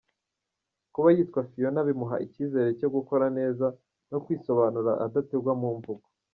Kuba yitwa Fiona bimuha icyizere cyo gukora neza no kwisobanura adategwa mu mvugo.